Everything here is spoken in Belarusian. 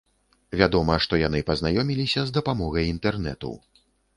Вядома, што яны пазнаёміліся з дапамогай інтэрнэту.